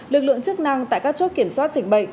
lực lượng chức năng tại các chốt kiểm soát dịch bệnh